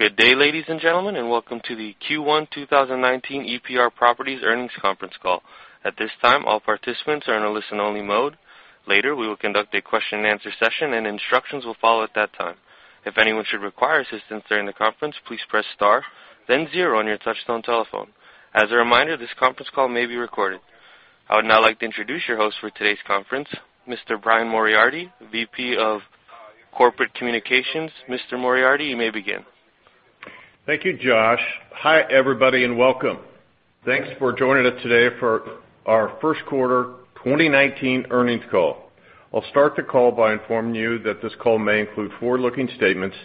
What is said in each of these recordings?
Good day, ladies and gentlemen, and welcome to the Q1 2019 EPR Properties earnings conference call. At this time, all participants are in a listen-only mode. Later, we will conduct a question and answer session, and instructions will follow at that time. If anyone should require assistance during the conference, please press star then zero on your touch-tone telephone. As a reminder, this conference call may be recorded. I would now like to introduce your host for today's conference, Mr. Brian Moriarty, VP of Corporate Communications. Mr. Moriarty, you may begin. Thank you, Josh. Hi, everybody, and welcome. Thanks for joining us today for our first quarter 2019 earnings call. I'll start the call by informing you that this call may include forward-looking statements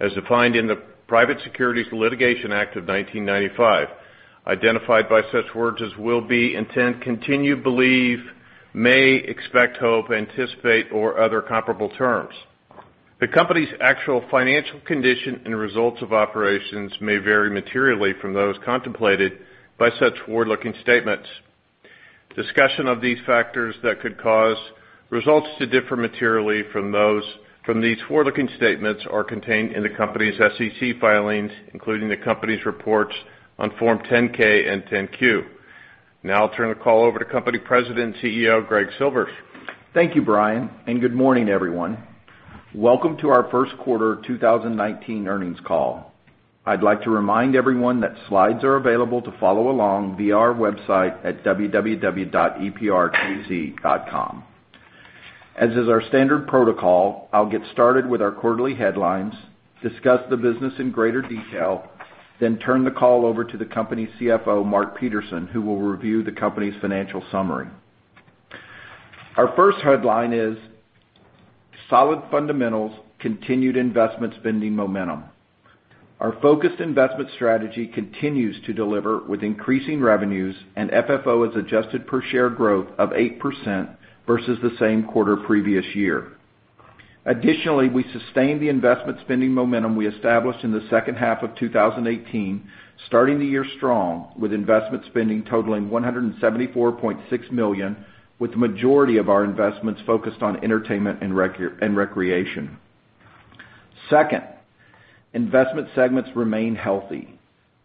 as defined in the Private Securities Litigation Reform Act of 1995, identified by such words as will be, intent, continue, believe, may, expect, hope, anticipate, or other comparable terms. The company's actual financial condition and results of operations may vary materially from those contemplated by such forward-looking statements. Discussion of these factors that could cause results to differ materially from these forward-looking statements are contained in the company's SEC filings, including the company's reports on Form 10-K and 10-Q. I'll turn the call over to company President and CEO, Greg Silvers. Thank you, Brian, and good morning, everyone. Welcome to our first quarter 2019 earnings call. I'd like to remind everyone that slides are available to follow along via our website at www.eprkc.com. As is our standard protocol, I'll get started with our quarterly headlines, discuss the business in greater detail, turn the call over to the company CFO, Mark Peterson, who will review the company's financial summary. Our first headline is Solid Fundamentals Continued Investment Spending Momentum. Our focused investment strategy continues to deliver with increasing revenues, and FFO as adjusted per share growth of 8% versus the same quarter previous year. Additionally, we sustained the investment spending momentum we established in the second half of 2018, starting the year strong with investment spending totaling $174.6 million, with the majority of our investments focused on entertainment and recreation. Second, investment segments remain healthy.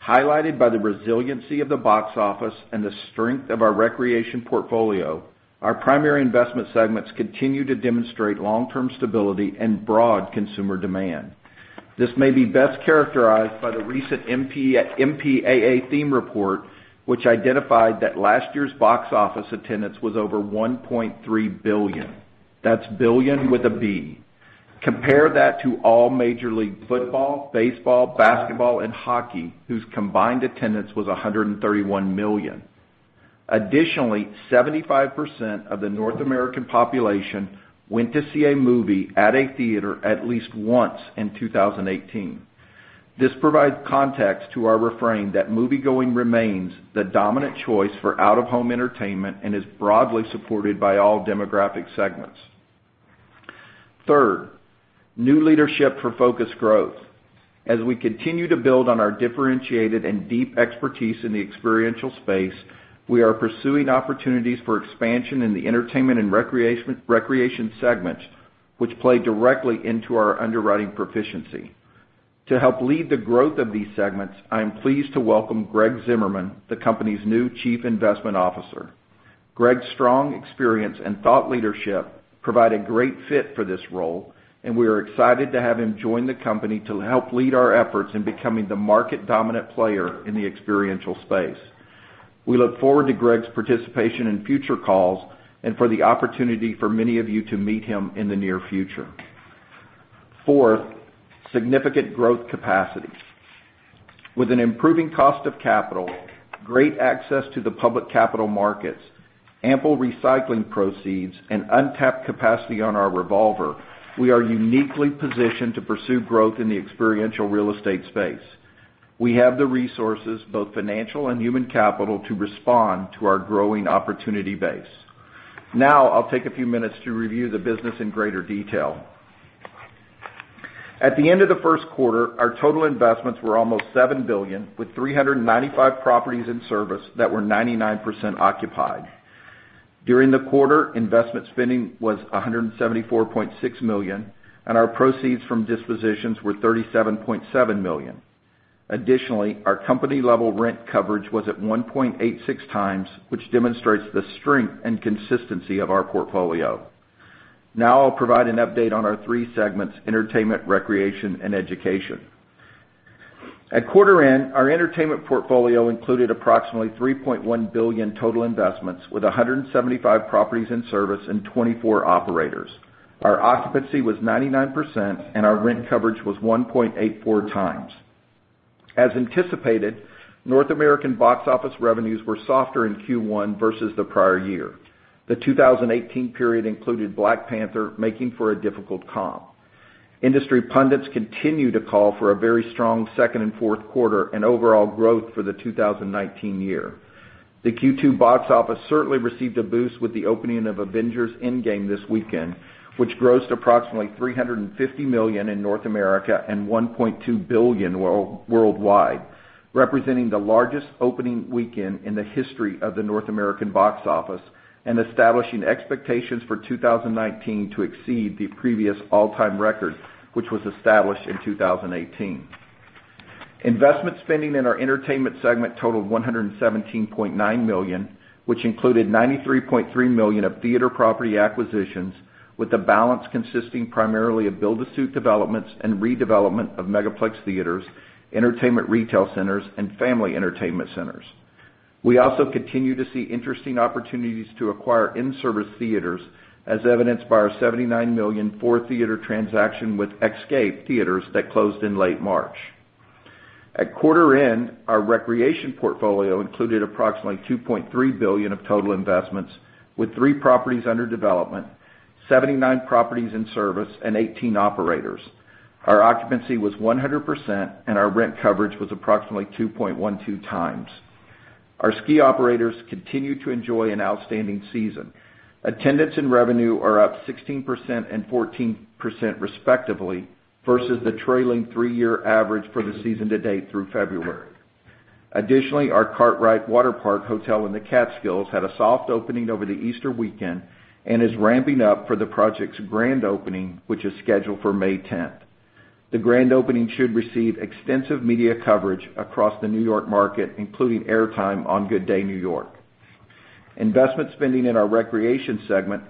Highlighted by the resiliency of the box office and the strength of our recreation portfolio, our primary investment segments continue to demonstrate long-term stability and broad consumer demand. This may be best characterized by the recent MPAA theme report, which identified that last year's box office attendance was over 1.3 billion. That's billion with a B. Compare that to all Major League Football, baseball, basketball, and hockey, whose combined attendance was 131 million. Additionally, 75% of the North American population went to see a movie at a theater at least once in 2018. This provides context to our refrain that moviegoing remains the dominant choice for out-of-home entertainment and is broadly supported by all demographic segments. Third, new leadership for focused growth. As we continue to build on our differentiated and deep expertise in the experiential space, we are pursuing opportunities for expansion in the entertainment and recreation segments, which play directly into our underwriting proficiency. To help lead the growth of these segments, I am pleased to welcome Greg Zimmerman, the company's new Chief Investment Officer. Greg's strong experience and thought leadership provide a great fit for this role, and we are excited to have him join the company to help lead our efforts in becoming the market-dominant player in the experiential space. We look forward to Greg's participation in future calls and for the opportunity for many of you to meet him in the near future. Fourth, significant growth capacity. With an improving cost of capital, great access to the public capital markets, ample recycling proceeds, and untapped capacity on our revolver, we are uniquely positioned to pursue growth in the experiential real estate space. We have the resources, both financial and human capital, to respond to our growing opportunity base. I'll take a few minutes to review the business in greater detail. At the end of the first quarter, our total investments were almost $7 billion with 395 properties in service that were 99% occupied. During the quarter, investment spending was $174.6 million and our proceeds from dispositions were $37.7 million. Additionally, our company-level rent coverage was at 1.86 times, which demonstrates the strength and consistency of our portfolio. I'll provide an update on our three segments: entertainment, recreation, and education. At quarter end, our entertainment portfolio included approximately $3.1 billion total investments, with 175 properties in service and 24 operators. Our occupancy was 99%, and our rent coverage was 1.84 times. As anticipated, North American box office revenues were softer in Q1 versus the prior year. The 2018 period included Black Panther, making for a difficult comp. Industry pundits continue to call for a very strong second and fourth quarter and overall growth for the 2019 year. The Q2 box office certainly received a boost with the opening of Avengers: Endgame this weekend, which grossed approximately $350 million in North America and $1.2 billion worldwide, representing the largest opening weekend in the history of the North American box office and establishing expectations for 2019 to exceed the previous all-time record, which was established in 2018. Investment spending in our entertainment segment totaled $117.9 million, which included $93.3 million of theater property acquisitions, with the balance consisting primarily of build-to-suit developments and redevelopment of megaplex theaters, entertainment retail centers, and family entertainment centers. We also continue to see interesting opportunities to acquire in-service theaters, as evidenced by our $79 million four-theater transaction with Xscape Theatres that closed in late March. At quarter end, our recreation portfolio included approximately $2.3 billion of total investments, with three properties under development, 79 properties in service, and 18 operators. Our occupancy was 100%, and our rent coverage was approximately 2.12 times. Our ski operators continue to enjoy an outstanding season. Attendance and revenue are up 16% and 14% respectively, versus the trailing three-year average for the season to date through February. Additionally, our Kartrite Waterpark Hotel in the Catskills had a soft opening over the Easter weekend, and is ramping up for the project's grand opening, which is scheduled for May 10th. The grand opening should receive extensive media coverage across the N.Y. market, including airtime on "Good Day New York." Investment spending in our recreation segment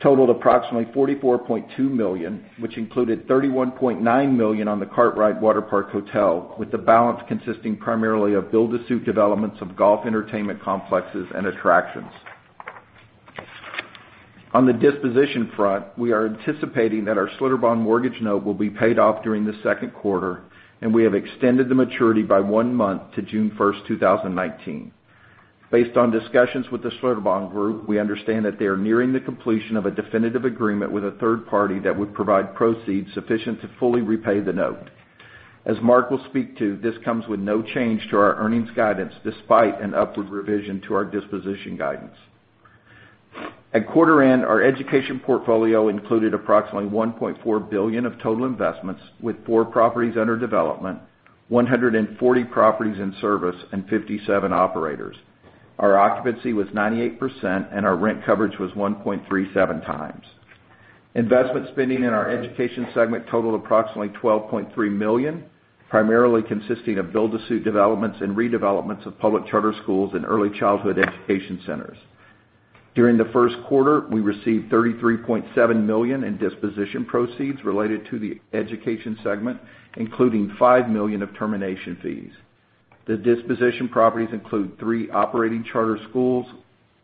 totaled approximately $44.2 million, which included $31.9 million on the Kartrite Waterpark Hotel, with the balance consisting primarily of build-to-suit developments of golf entertainment complexes and attractions. On the disposition front, we are anticipating that our Schlitterbahn mortgage note will be paid off during the second quarter, and we have extended the maturity by one month to June 1st, 2019. Based on discussions with the Schlitterbahn Group, we understand that they are nearing the completion of a definitive agreement with a third party that would provide proceeds sufficient to fully repay the note. As Mark will speak to, this comes with no change to our earnings guidance, despite an upward revision to our disposition guidance. At quarter end, our education portfolio included approximately $1.4 billion of total investments, with four properties under development, 140 properties in service, and 57 operators. Our occupancy was 98%, and our rent coverage was 1.37 times. Investment spending in our education segment totaled approximately $12.3 million, primarily consisting of build-to-suit developments and redevelopments of public charter schools and early childhood education centers. During the first quarter, we received $33.7 million in disposition proceeds related to the education segment, including $5 million of termination fees. The disposition properties include three operating charter schools,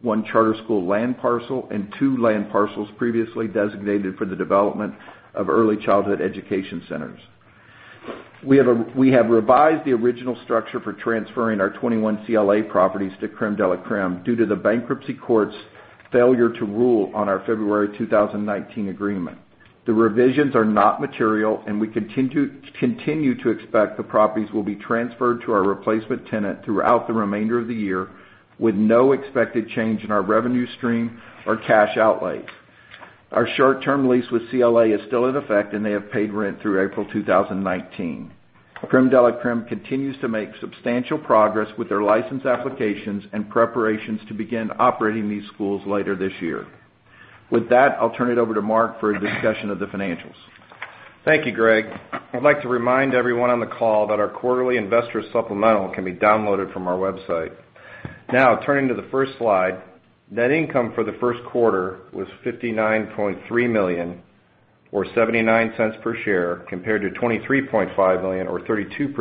one charter school land parcel, and two land parcels previously designated for the development of early childhood education centers. We have revised the original structure for transferring our 21 CLA properties to Crème de la Crème due to the bankruptcy court's failure to rule on our February 2019 agreement. The revisions are not material, and we continue to expect the properties will be transferred to our replacement tenant throughout the remainder of the year, with no expected change in our revenue stream or cash outlay. Our short-term lease with CLA is still in effect, and they have paid rent through April 2019. Crème de la Crème continues to make substantial progress with their license applications and preparations to begin operating these schools later this year. With that, I'll turn it over to Mark for a discussion of the financials. Thank you, Greg. I'd like to remind everyone on the call that our quarterly investor supplemental can be downloaded from our website. Turning to the first slide. Net income for the first quarter was $59.3 million, or $0.79 per share, compared to $23.5 million or $0.32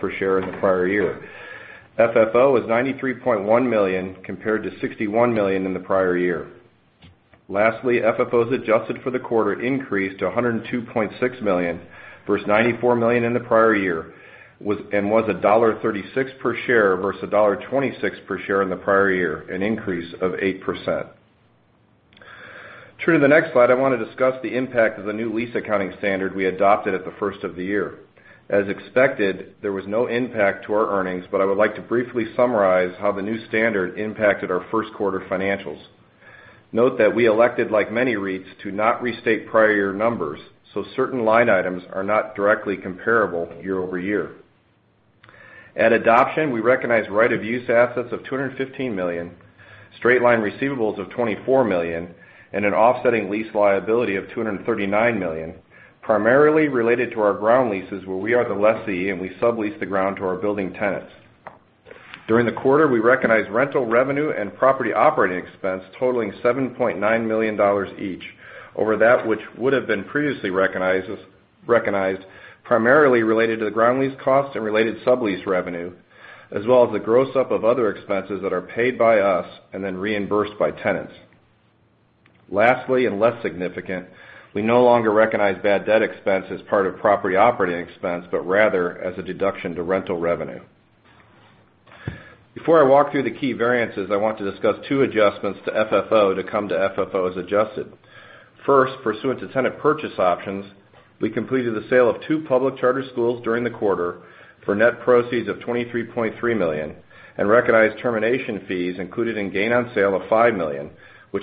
per share in the prior year. FFO was $93.1 million, compared to $61 million in the prior year. Lastly, FFO as adjusted for the quarter increased to $102.6 million versus $94 million in the prior year, and was $1.36 per share versus $1.26 per share in the prior year, an increase of 8%. Turning to the next slide, I want to discuss the impact of the new lease accounting standard we adopted at the first of the year. As expected, there was no impact to our earnings, but I would like to briefly summarize how the new standard impacted our first quarter financials. Note that we elected, like many REITs, to not restate prior year numbers, so certain line items are not directly comparable year-over-year. At adoption, we recognized right of use assets of $215 million, straight-line receivables of $24 million, and an offsetting lease liability of $239 million, primarily related to our ground leases where we are the lessee, and we sublease the ground to our building tenants. During the quarter, we recognized rental revenue and property operating expense totaling $7.9 million each over that which would have been previously recognized, primarily related to the ground lease costs and related sublease revenue, as well as the gross-up of other expenses that are paid by us and then reimbursed by tenants. Lastly, less significant, we no longer recognize bad debt expense as part of property operating expense, but rather as a deduction to rental revenue. Before I walk through the key variances, I want to discuss two adjustments to FFO to come to FFO as adjusted. First, pursuant to tenant purchase options, we completed the sale of two public charter schools during the quarter for net proceeds of $23.3 million, and recognized termination fees included in gain on sale of $5 million, which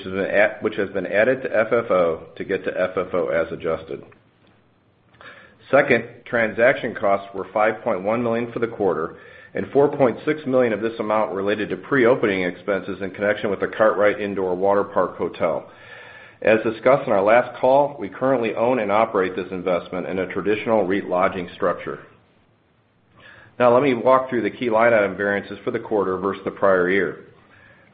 has been added to FFO to get to FFO as adjusted. Second, transaction costs were $5.1 million for the quarter, and $4.6 million of this amount related to pre-opening expenses in connection with The Kartrite indoor water park hotel. As discussed in our last call, we currently own and operate this investment in a traditional REIT lodging structure. Let me walk through the key line item variances for the quarter versus the prior year.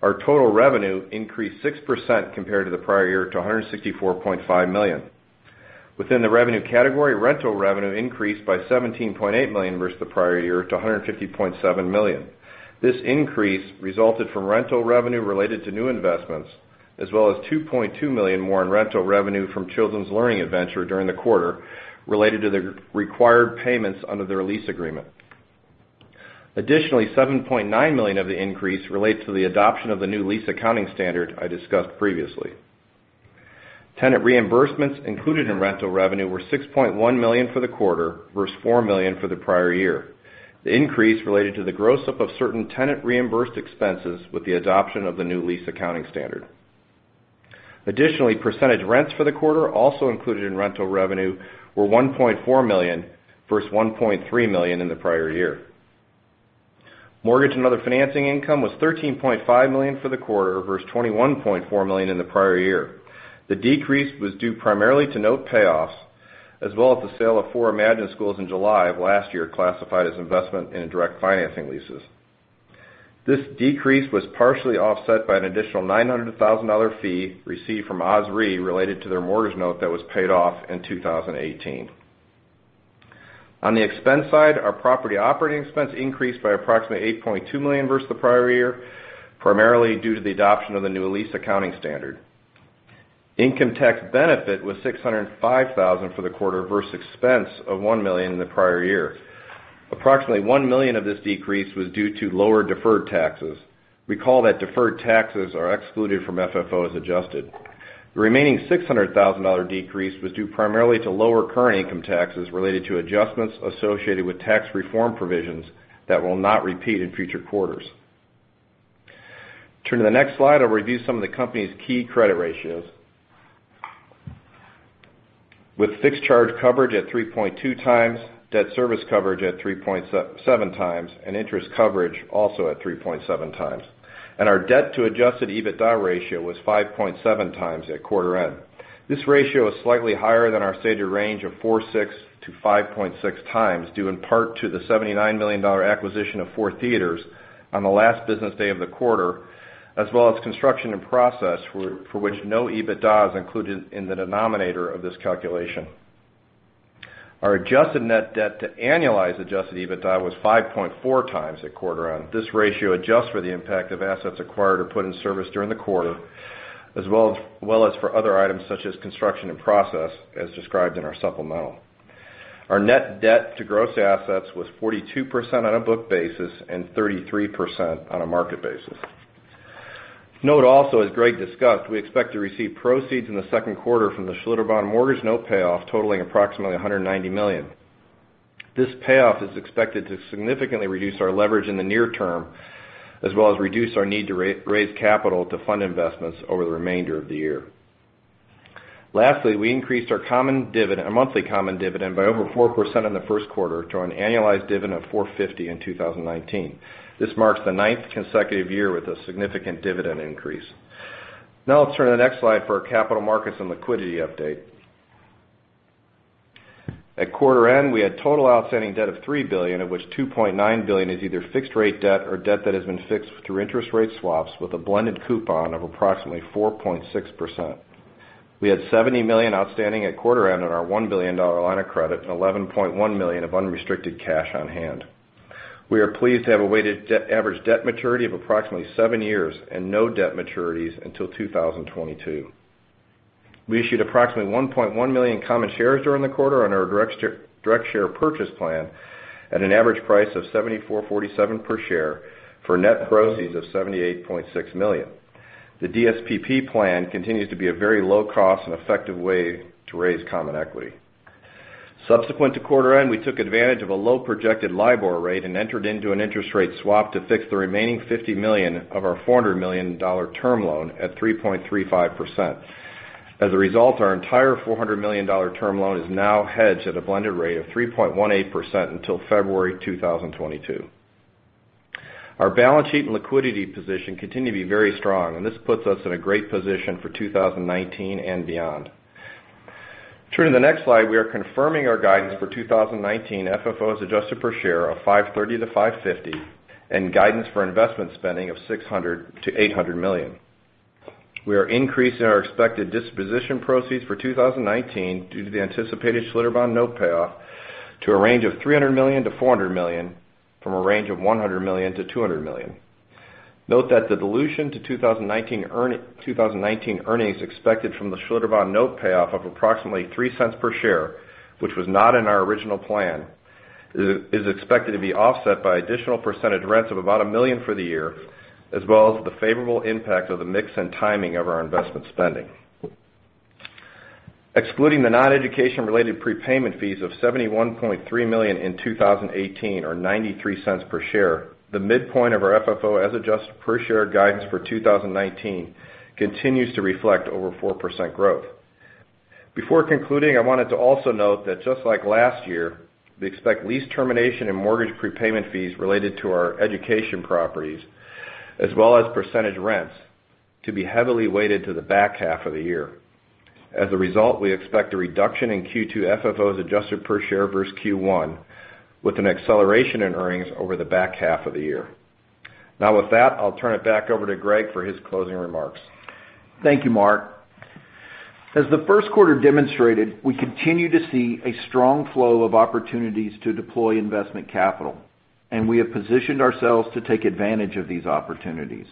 Our total revenue increased 6% compared to the prior year, to $164.5 million. Within the revenue category, rental revenue increased by $17.8 million versus the prior year to $150.7 million. This increase resulted from rental revenue related to new investments, as well as $2.2 million more in rental revenue from Children's Learning Adventure during the quarter, related to the required payments under their lease agreement. Additionally, $7.9 million of the increase relate to the adoption of the new lease accounting standard I discussed previously. Tenant reimbursements included in rental revenue were $6.1 million for the quarter versus $4 million for the prior year. The increase related to the gross up of certain tenant-reimbursed expenses with the adoption of the new lease accounting standard. Additionally, percentage rents for the quarter, also included in rental revenue, were $1.4 million versus $1.3 million in the prior year. Mortgage and other financing income was $13.5 million for the quarter versus $21.4 million in the prior year. The decrease was due primarily to note payoffs, as well as the sale of four Imagine Schools in July of last year, classified as investment in direct financing leases. This decrease was partially offset by an additional $900,000 fee received from OzREIT related to their mortgage note that was paid off in 2018. On the expense side, our property operating expense increased by approximately $8.2 million versus the prior year, primarily due to the adoption of the new lease accounting standard. Income tax benefit was $605,000 for the quarter versus expense of $1 million in the prior year. Approximately $1 million of this decrease was due to lower deferred taxes. Recall that deferred taxes are excluded from FFO as adjusted. The remaining $600,000 decrease was due primarily to lower current income taxes related to adjustments associated with tax reform provisions that will not repeat in future quarters. Turn to the next slide, I'll review some of the company's key credit ratios. With fixed charge coverage at 3.2 times, debt service coverage at 3.7 times, and interest coverage also at 3.7 times. Our debt to adjusted EBITDA ratio was 5.7 times at quarter end. This ratio is slightly higher than our stated range of 4.6 to 5.6 times, due in part to the $79 million acquisition of four theaters on the last business day of the quarter, as well as construction in process, for which no EBITDA is included in the denominator of this calculation. Our adjusted net debt to annualized adjusted EBITDA was 5.4 times at quarter end. This ratio adjusts for the impact of assets acquired or put in service during the quarter, as well as for other items such as construction in process, as described in our supplemental. Our net debt to gross assets was 42% on a book basis and 33% on a market basis. Note also, as Greg discussed, we expect to receive proceeds in the second quarter from the Schlitterbahn mortgage note payoff totaling approximately $190 million. This payoff is expected to significantly reduce our leverage in the near term, as well as reduce our need to raise capital to fund investments over the remainder of the year. Lastly, we increased our monthly common dividend by over 4% in the first quarter to an annualized dividend of $4.50 in 2019. This marks the ninth consecutive year with a significant dividend increase. Let's turn to the next slide for our capital markets and liquidity update. At quarter end, we had total outstanding debt of $3 billion, of which $2.9 billion is either fixed-rate debt or debt that has been fixed through interest rate swaps with a blended coupon of approximately 4.6%. We had $70 million outstanding at quarter end on our $1 billion line of credit and $11.1 million of unrestricted cash on hand. We are pleased to have a weighted average debt maturity of approximately seven years and no debt maturities until 2022. We issued approximately 1.1 million common shares during the quarter on our direct share purchase plan at an average price of $74.47 per share for net proceeds of $78.6 million. The DSPP plan continues to be a very low-cost and effective way to raise common equity. Subsequent to quarter end, we took advantage of a low projected LIBOR rate and entered into an interest rate swap to fix the remaining $50 million of our $400 million term loan at 3.35%. As a result, our entire $400 million term loan is now hedged at a blended rate of 3.18% until February 2022. Our balance sheet and liquidity position continue to be very strong. This puts us in a great position for 2019 and beyond. Turning to the next slide, we are confirming our guidance for 2019 FFO as adjusted per share of $5.30 to $5.50, and guidance for investment spending of $600 million to $800 million. We are increasing our expected disposition proceeds for 2019 due to the anticipated Schlitterbahn note payoff to a range of $300 million to $400 million, from a range of $100 million to $200 million. Note that the dilution to 2019 earnings expected from the Schlitterbahn note payoff of approximately $0.03 per share, which was not in our original plan, is expected to be offset by additional percentage rents of about $1 million for the year, as well as the favorable impact of the mix and timing of our investment spending. Excluding the non-education related prepayment fees of $71.3 million in 2018, or $0.93 per share, the midpoint of our FFO as adjusted per share guidance for 2019 continues to reflect over 4% growth. Before concluding, I wanted to also note that, just like last year, we expect lease termination and mortgage prepayment fees related to our education properties, as well as percentage rents, to be heavily weighted to the back half of the year. As a result, we expect a reduction in Q2 FFO as adjusted per share versus Q1, with an acceleration in earnings over the back half of the year. With that, I'll turn it back over to Greg for his closing remarks. Thank you, Mark. As the first quarter demonstrated, we continue to see a strong flow of opportunities to deploy investment capital. We have positioned ourselves to take advantage of these opportunities.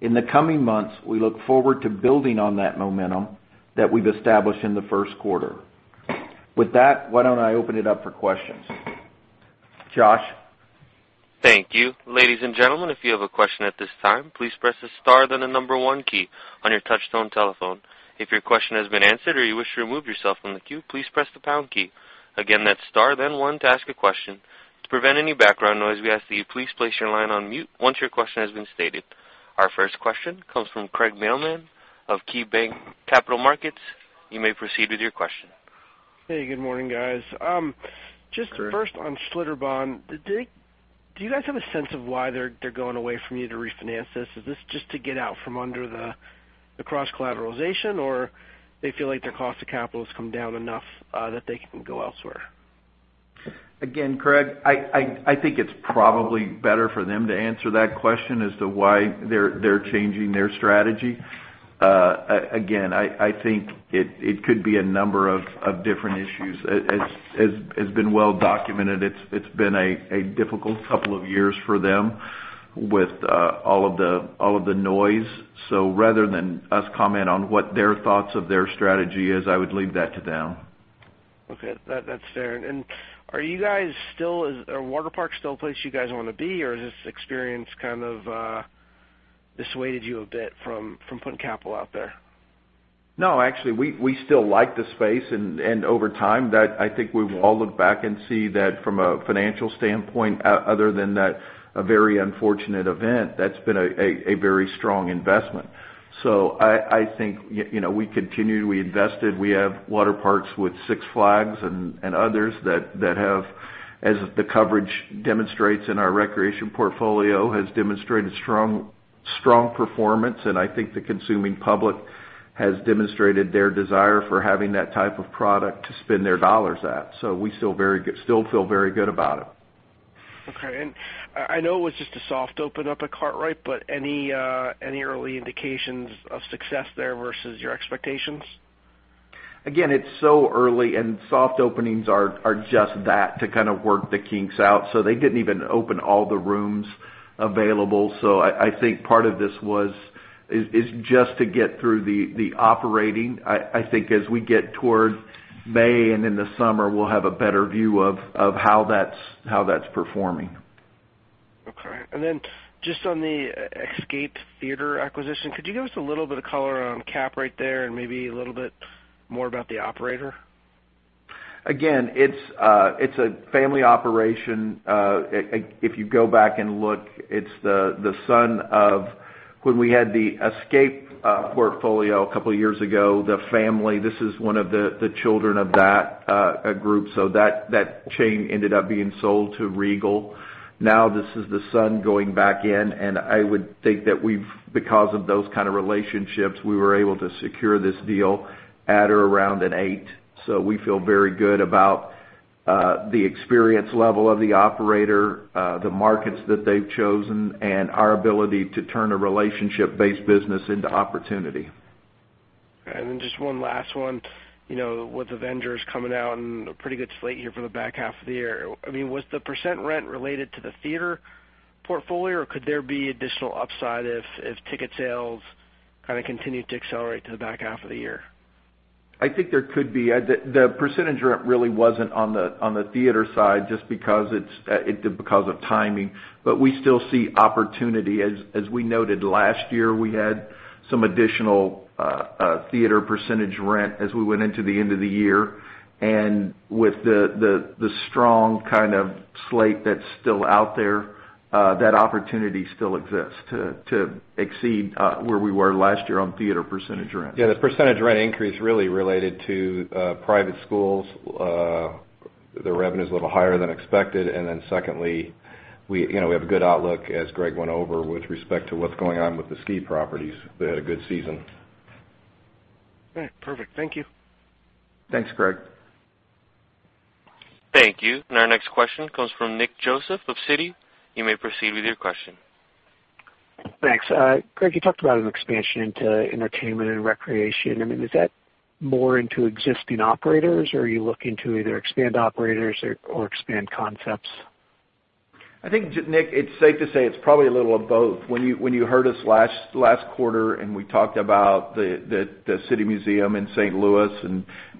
In the coming months, we look forward to building on that momentum that we've established in the first quarter. With that, why don't I open it up for questions. Josh? Thank you. Ladies and gentlemen, if you have a question at this time, please press the star then the number one key on your touchtone telephone. If your question has been answered or you wish to remove yourself from the queue, please press the pound key. Again, that's star then one to ask a question. To prevent any background noise, we ask that you please place your line on mute once your question has been stated. Our first question comes from Craig Mailman of KeyBanc Capital Markets. You may proceed with your question. Hey, good morning, guys. Craig. Just first on Schlitterbahn. Do you guys have a sense of why they're going away from you to refinance this? Is this just to get out from under the cross-collateralization, or they feel like their cost of capital has come down enough that they can go elsewhere? Craig, I think it's probably better for them to answer that question as to why they're changing their strategy. I think it could be a number of different issues. As has been well documented, it's been a difficult couple of years for them with all of the noise. Rather than us comment on what their thoughts of their strategy is, I would leave that to them. Okay. That's fair. Are water parks still a place you guys wanna be, or has this experience kind of dissuaded you a bit from putting capital out there? No, actually, we still like the space and over time that I think we will all look back and see that from a financial standpoint, other than that, a very unfortunate event, that's been a very strong investment. I think we continue, we invested, we have water parks with Six Flags and others. As the coverage demonstrates in our recreation portfolio, has demonstrated strong performance, and I think the consuming public has demonstrated their desire for having that type of product to spend their dollars at. We still feel very good about it. Okay. I know it was just a soft open up at Kartrite, any early indications of success there versus your expectations? Again, it's so early and soft openings are just that, to kind of work the kinks out. They didn't even open all the rooms available. I think part of this is just to get through the operating. I think as we get toward May and in the summer, we'll have a better view of how that's performing. Okay. Just on the Xscape Theatres acquisition, could you give us a little bit of color on cap rate there and maybe a little bit more about the operator? Again, it's a family operation. If you go back and look, it's the son of when we had the Xscape portfolio a couple of years ago. The family, this is one of the children of that group. That chain ended up being sold to Regal. This is the son going back in, I would think that because of those kind of relationships, we were able to secure this deal at or around an eight. We feel very good about the experience level of the operator, the markets that they've chosen, and our ability to turn a relationship-based business into opportunity. Just one last one. With "Avengers" coming out and a pretty good slate here for the back half of the year. Was the % rent related to the theater portfolio, could there be additional upside if ticket sales kind of continue to accelerate to the back half of the year? I think there could be. The % rent really wasn't on the theater side just because of timing. We still see opportunity. As we noted last year, we had some additional theater % rent as we went into the end of the year. With the strong kind of slate that's still out there, that opportunity still exists to exceed where we were last year on theater % rent. Yeah, the percentage rent increase really related to private schools. Their revenue's a little higher than expected. Secondly, we have a good outlook as Greg went over with respect to what's going on with the ski properties. They had a good season. All right. Perfect. Thank you. Thanks, Craig. Thank you. Our next question comes from Nick Joseph of Citi. You may proceed with your question. Thanks. Greg, you talked about an expansion into entertainment and recreation. Is that more into existing operators or are you looking to either expand operators or expand concepts? I think, Nick, it's safe to say it's probably a little of both. When you heard us last quarter and we talked about the City Museum in St. Louis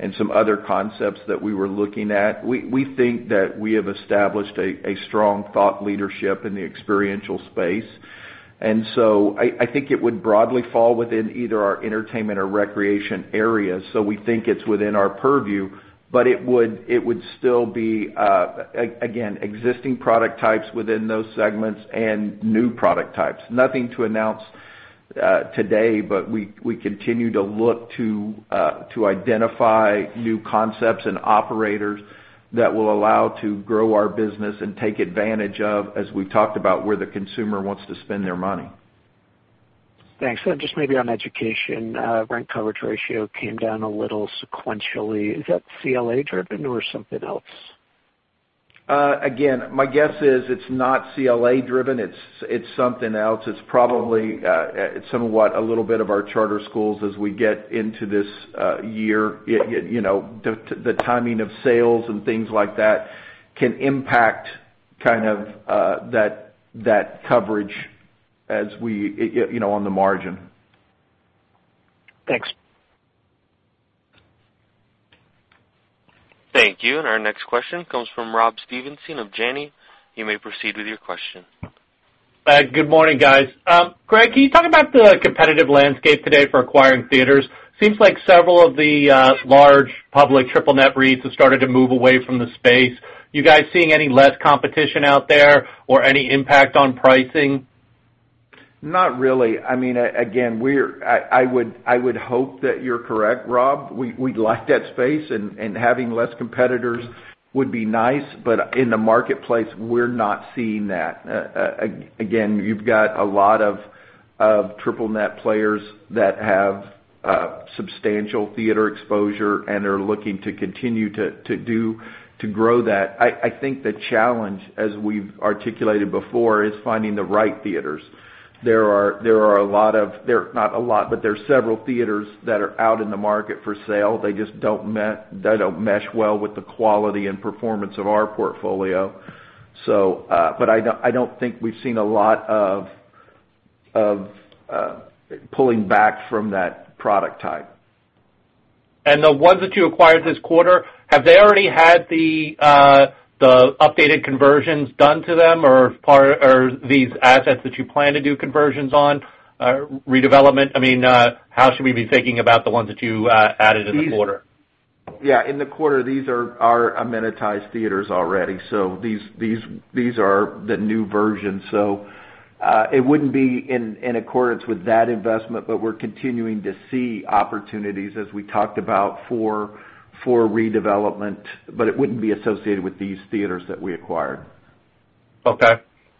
and some other concepts that we were looking at, we think that we have established a strong thought leadership in the experiential space. I think it would broadly fall within either our entertainment or recreation areas. We think it's within our purview, but it would still be, again, existing product types within those segments and new product types. Nothing to announce today, but we continue to look to identify new concepts and operators that will allow to grow our business and take advantage of, as we've talked about, where the consumer wants to spend their money. Thanks. Just maybe on education, rent coverage ratio came down a little sequentially. Is that CLA driven or something else? Again, my guess is it's not CLA driven. It's something else. It's probably somewhat a little bit of our charter schools as we get into this year. The timing of sales and things like that can impact kind of that coverage on the margin. Thanks. Thank you. Our next question comes from Rob Stevenson of Janney. You may proceed with your question. Good morning, guys. Greg, can you talk about the competitive landscape today for acquiring theaters? Seems like several of the large public triple net REITs have started to move away from the space. You guys seeing any less competition out there or any impact on pricing? Not really. Again, I would hope that you're correct, Rob. We'd like that space, having less competitors would be nice. In the marketplace, we're not seeing that. Again, you've got a lot of triple net players that have substantial theater exposure and are looking to continue to grow that. I think the challenge, as we've articulated before, is finding the right theaters. There are several theaters that are out in the market for sale. They just don't mesh well with the quality and performance of our portfolio. I don't think we've seen a lot of pulling back from that product type. The ones that you acquired this quarter, have they already had the updated conversions done to them? Or these assets that you plan to do conversions on, redevelopment, how should we be thinking about the ones that you added in the quarter? Yeah. In the quarter, these are our amenitized theaters already. These are the new versions. It wouldn't be in accordance with that investment, we're continuing to see opportunities as we talked about for redevelopment. It wouldn't be associated with these theaters that we acquired. Okay.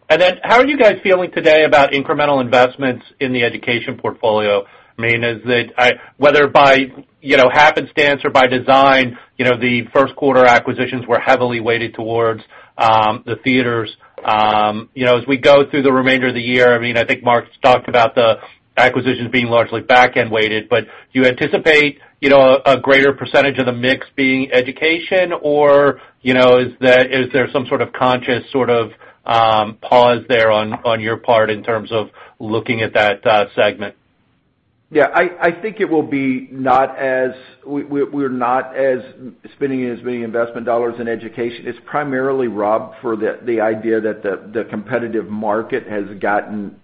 How are you guys feeling today about incremental investments in the education portfolio? Whether by happenstance or by design, the first quarter acquisitions were heavily weighted towards the theaters. As we go through the remainder of the year, I think Mark's talked about the acquisitions being largely backend weighted, do you anticipate a greater percentage of the mix being education, or is there some sort of conscious sort of pause there on your part in terms of looking at that segment? Yeah. I think we're not spending as many investment dollars in education. It's primarily, Rob, for the idea that the competitive market has gotten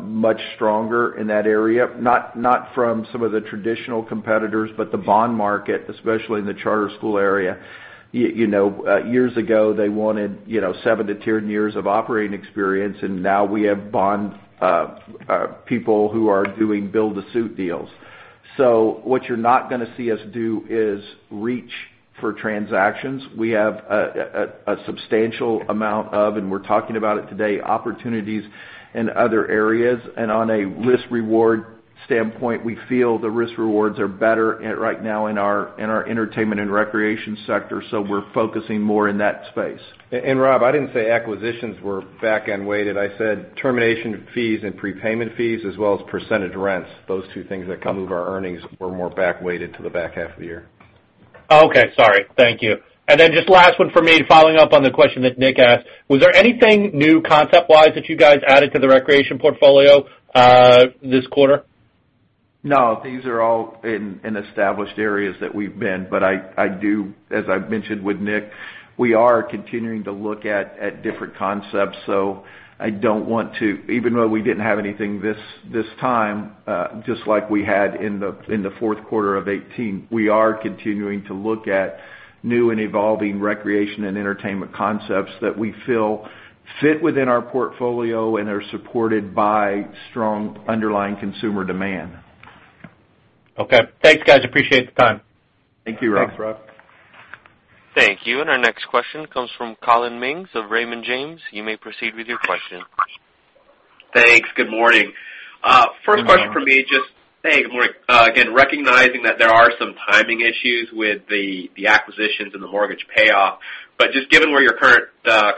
much stronger in that area, not from some of the traditional competitors, but the bond market, especially in the charter school area. Years ago, they wanted 7 to 10 years of operating experience, now we have bond people who are doing build-to-suit deals. What you're not going to see us do is reach for transactions. We have a substantial amount of, we're talking about it today, opportunities in other areas. On a risk-reward standpoint, we feel the risk rewards are better right now in our entertainment and recreation sector. We're focusing more in that space. Rob, I didn't say acquisitions were backend weighted. I said termination fees and prepayment fees as well as percentage rents. Those two things that come with our earnings were more back weighted to the back half of the year. Okay. Sorry. Thank you. Just last one for me, following up on the question that Nick asked, was there anything new concept-wise that you guys added to the recreation portfolio this quarter? No, these are all in established areas that we've been. As I've mentioned with Nick, we are continuing to look at different concepts. Even though we didn't have anything this time, just like we had in the fourth quarter of 2018, we are continuing to look at new and evolving recreation and entertainment concepts that we feel fit within our portfolio and are supported by strong underlying consumer demand. Okay. Thanks, guys. Appreciate the time. Thank you, Rob. Thanks, Rob. Thank you. Our next question comes from Collin Mings of Raymond James. You may proceed with your question. Thanks. Good morning. Good morning. First question for me, just, hey, good morning. Again, recognizing that there are some timing issues with the acquisitions and the mortgage payoff, but just given where your current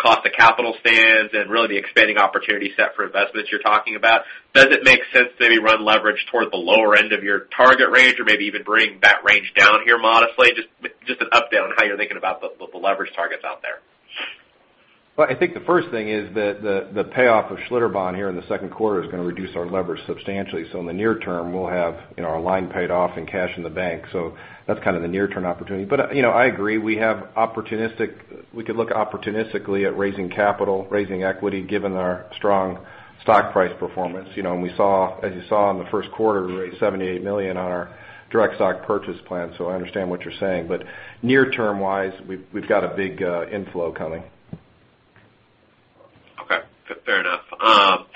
cost of capital stands and really the expanding opportunity set for investments you're talking about, does it make sense to maybe run leverage towards the lower end of your target range or maybe even bring that range down here modestly? Just an update on how you're thinking about the leverage targets out there. Well, I think the first thing is that the payoff of Schlitterbahn here in the second quarter is going to reduce our leverage substantially. In the near term, we'll have our line paid off and cash in the bank. That's kind of the near-term opportunity. I agree, we could look opportunistically at raising capital, raising equity, given our strong stock price performance. As you saw in the first quarter, we raised $78 million on our direct stock purchase plan. I understand what you're saying. Near-term wise, we've got a big inflow coming. Okay, fair enough.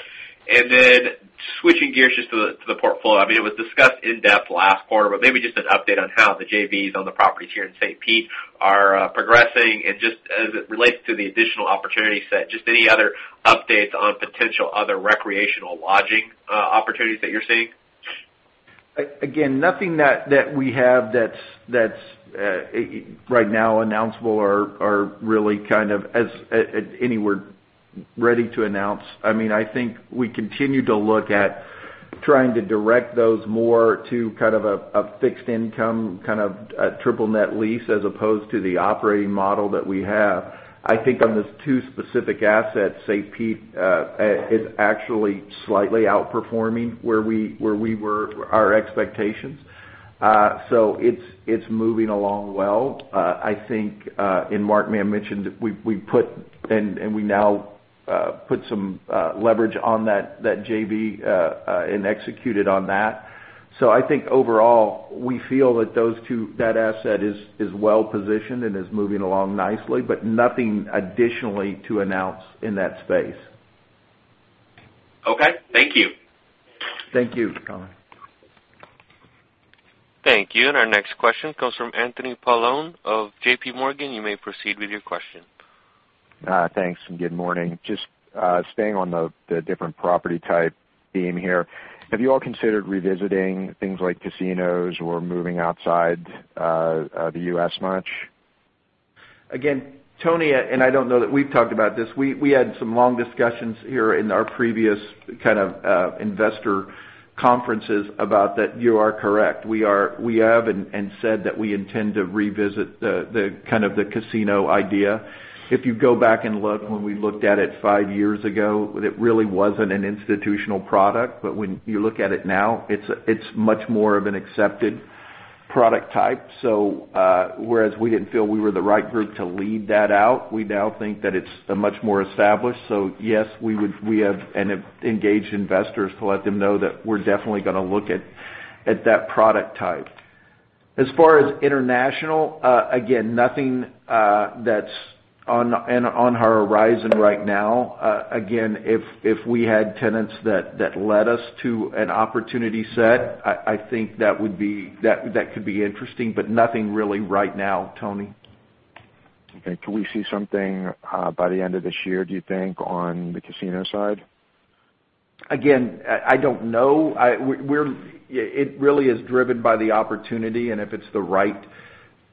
Switching gears just to the portfolio. It was discussed in-depth last quarter, but maybe just an update on how the JVs on the properties here in St. Pete are progressing and just as it relates to the additional opportunity set, just any other updates on potential other recreational lodging opportunities that you're seeing? Again, nothing that we have that's right now announceable or really kind of anywhere ready to announce. I think we continue to look at trying to direct those more to kind of a fixed income, kind of a triple net lease as opposed to the operating model that we have. I think on those two specific assets, St. Pete is actually slightly outperforming where we were, our expectations. It's moving along well. I think, Mark may have mentioned, we now put some leverage on that JV, and executed on that. I think overall, we feel that those two, that asset is well-positioned and is moving along nicely, but nothing additionally to announce in that space. Okay, thank you. Thank you, Collin. Thank you. Our next question comes from Anthony Paolone of JPMorgan. You may proceed with your question. Thanks. Good morning. Just staying on the different property type theme here. Have you all considered revisiting things like casinos or moving outside the U.S. much? Again, Tony, and I don't know that we've talked about this. We had some long discussions here in our previous kind of investor conferences about that. You are correct. We have and said that we intend to revisit the kind of the casino idea. If you go back and look when we looked at it five years ago, it really wasn't an institutional product. When you look at it now, it's much more of an accepted product type. Whereas we didn't feel we were the right group to lead that out, we now think that it's a much more established. Yes, we have and have engaged investors to let them know that we're definitely going to look at that product type. As far as international, again, nothing that's on our horizon right now. Again, if we had tenants that led us to an opportunity set, I think that could be interesting, nothing really right now, Tony. Okay. Can we see something by the end of this year, do you think, on the casino side? Again, I don't know. It really is driven by the opportunity and if it's the right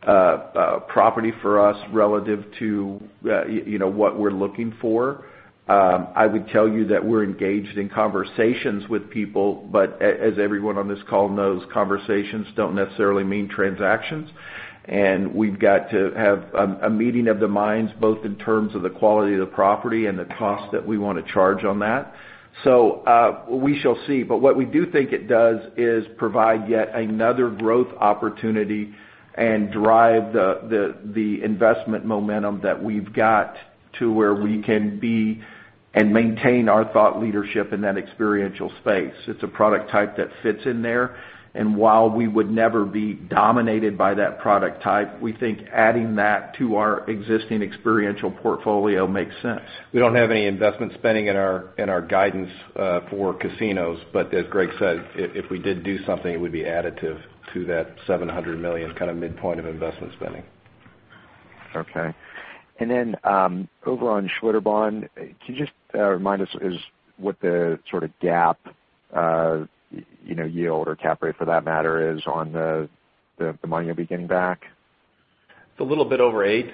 property for us relative to what we're looking for. I would tell you that we're engaged in conversations with people, but as everyone on this call knows, conversations don't necessarily mean transactions. We've got to have a meeting of the minds, both in terms of the quality of the property and the cost that we want to charge on that. We shall see. What we do think it does is provide yet another growth opportunity and drive the investment momentum that we've got to where we can be and maintain our thought leadership in that experiential space. It's a product type that fits in there, and while we would never be dominated by that product type, we think adding that to our existing experiential portfolio makes sense. We don't have any investment spending in our guidance for casinos, but as Greg said, if we did do something, it would be additive to that $700 million kind of midpoint of investment spending. Then, over on Schlitterbahn, can you just remind us what the sort of gap yield or cap rate for that matter is on the money you'll be getting back? It's a little bit over eight.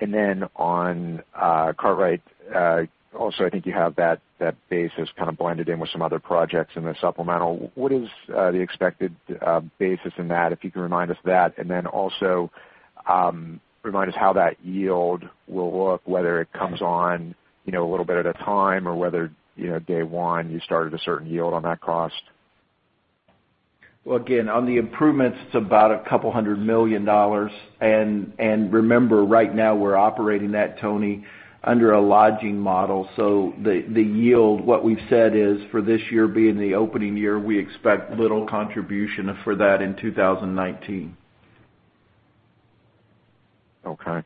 Then on Kartrite, also I think you have that base as kind of blended in with some other projects in the supplemental. What is the expected basis in that, if you can remind us of that? Then also, remind us how that yield will look, whether it comes on a little bit at a time or whether day one you started a certain yield on that cost. Again, on the improvements, it's about $200 million. Remember, right now we're operating that, Tony, under a lodging model. The yield, what we've said is for this year being the opening year, we expect little contribution for that in 2019. Okay.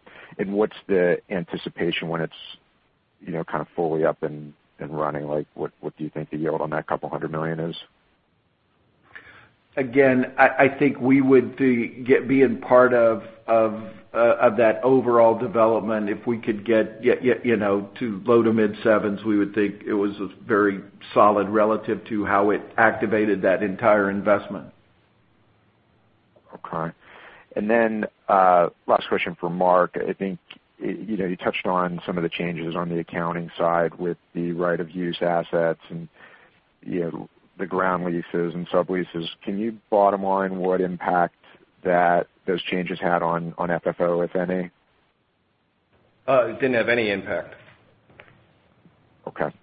What's the anticipation when it's kind of fully up and running? What do you think the yield on that $200 million is? Again, I think we would be, being part of that overall development, if we could get low to mid 7s, we would think it was very solid relative to how it activated that entire investment. Okay. Then, last question for Mark. I think you touched on some of the changes on the accounting side with the right of use assets and the ground leases and subleases. Can you bottom line what impact those changes had on FFO, if any? It didn't have any impact. Okay,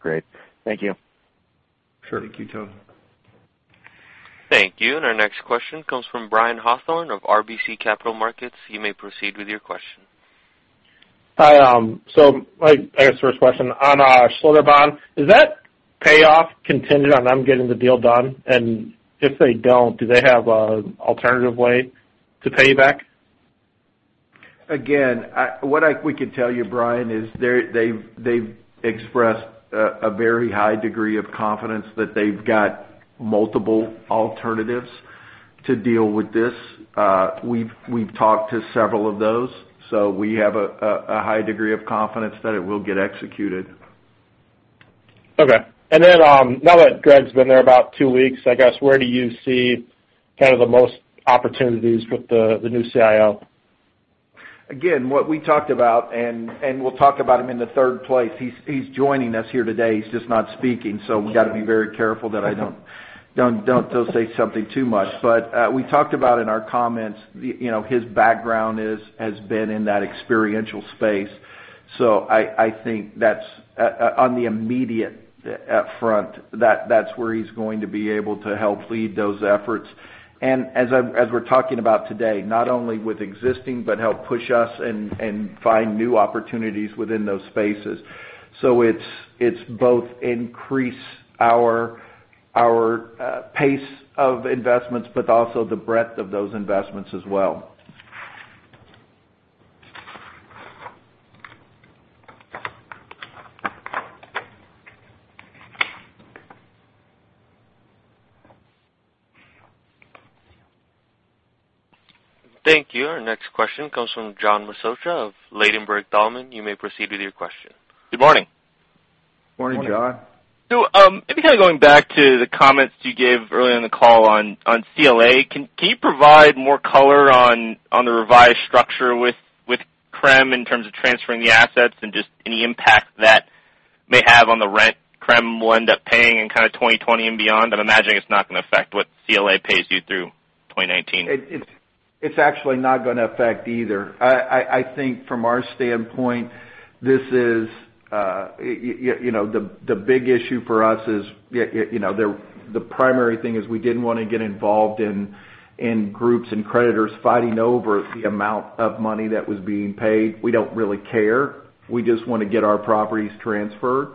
great. Thank you. Sure. Thank you, Tony. Thank you. Our next question comes from Brian Hawthorne of RBC Capital Markets. You may proceed with your question. Hi. I guess first question, on Schlitterbahn, is that payoff contingent on them getting the deal done? If they don't, do they have an alternative way to pay you back? Again, what we can tell you, Brian, is they've expressed a very high degree of confidence that they've got multiple alternatives to deal with this. We've talked to several of those, we have a high degree of confidence that it will get executed. Okay. Now that Greg's been there about two weeks, I guess, where do you see the most opportunities with the new CIO? Again, what we talked about we'll talk about him in the third place. He's joining us here today, he's just not speaking, we've got to be very careful that I don't still say something too much. We talked about in our comments, his background has been in that experiential space. I think that's on the immediate front, that's where he's going to be able to help lead those efforts. As we're talking about today, not only with existing, but help push us and find new opportunities within those spaces. It's both increase our pace of investments, but also the breadth of those investments as well. Thank you. Our next question comes from John Massocca of Ladenburg Thalmann. You may proceed with your question. Good morning. Morning, John. Maybe kind of going back to the comments you gave earlier in the call on CLA. Can you provide more color on the revised structure with Crème in terms of transferring the assets and just any impact that may have on the rent Crème will end up paying in kind of 2020 and beyond? I'm imagining it's not going to affect what CLA pays you through 2019. It's actually not going to affect either. I think from our standpoint, the big issue for us is the primary thing is we didn't want to get involved in groups and creditors fighting over the amount of money that was being paid. We don't really care. We just want to get our properties transferred.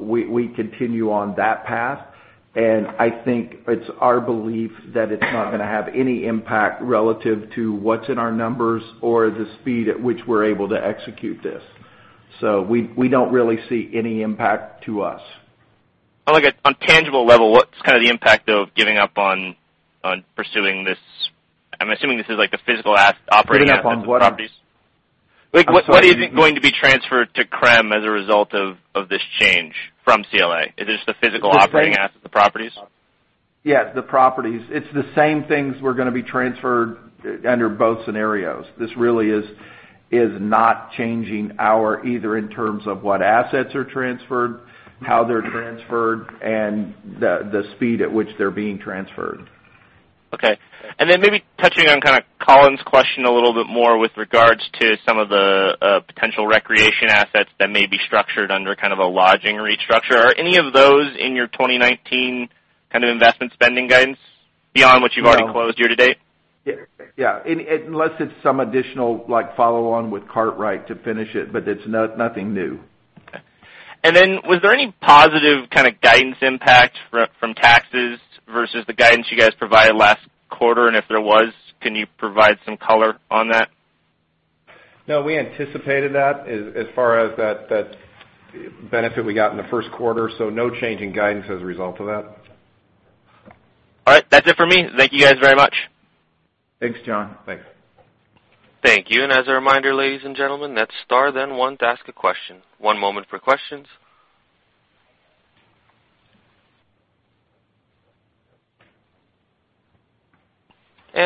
We continue on that path, and I think it's our belief that it's not going to have any impact relative to what's in our numbers or the speed at which we're able to execute this. We don't really see any impact to us. On tangible level, what's the impact of giving up on pursuing this? I'm assuming this is like the physical operating assets of the properties. What do you think is going to be transferred to CREM as a result of this change from CLA? Is it just the physical operating assets, the properties? Yes, the properties. It's the same things were going to be transferred under both scenarios. This really is not changing our, either in terms of what assets are transferred, how they're transferred, and the speed at which they're being transferred. Okay. Maybe touching on kind of Collin's question a little bit more with regards to some of the potential recreation assets that may be structured under kind of a lodging restructure. Are any of those in your 2019 kind of investment spending guidance beyond what you've already closed year to date? Yeah. Unless it's some additional follow on with Cartwright to finish it's nothing new. Okay. Was there any positive kind of guidance impact from taxes versus the guidance you guys provided last quarter? If there was, can you provide some color on that? No, we anticipated that as far as that benefit we got in the first quarter, no change in guidance as a result of that. All right. That's it for me. Thank you guys very much. Thanks, John. Thanks. Thank you. As a reminder, ladies and gentlemen, that's star then one to ask a question. One moment for questions.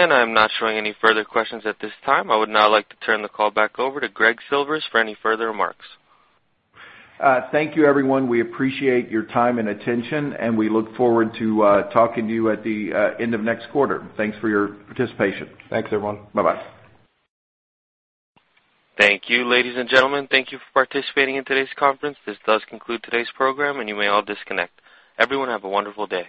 I'm not showing any further questions at this time. I would now like to turn the call back over to Gregory Silvers for any further remarks. Thank you, everyone. We appreciate your time and attention, we look forward to talking to you at the end of next quarter. Thanks for your participation. Thanks, everyone. Bye-bye. Thank you. Ladies and gentlemen, thank you for participating in today's conference. This does conclude today's program, and you may all disconnect. Everyone have a wonderful day